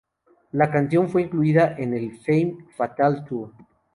La canción fue incluida en el Femme Fatale Tour.